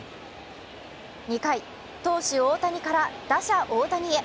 ２回、投手大谷から打者大谷へ。